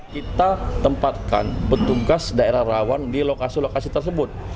kita tempatkan petugas daerah rawan di lokasi lokasi tersebut